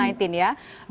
ya sebutkan budi tadi